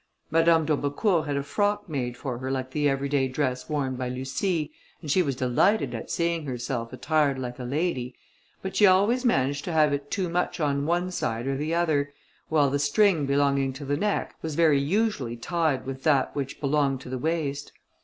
Madame d'Aubecourt had a frock made for her like the every day dress worn by Lucie, and she was delighted at seeing herself attired like a lady, but she always managed to have it too much on one side or the other, while the string belonging to the neck was very usually tied with that which belonged to the waist.